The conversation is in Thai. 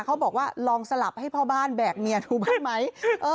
เขาบอกว่าลองสลับให้พ่อบ้านแบกเมียดูบ้างไหม